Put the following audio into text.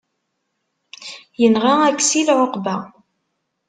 Yenɣa Aksil ɛuqba.